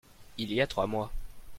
il y a trois mois.